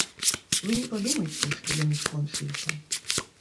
Вы не падумайце, што яны скончыліся.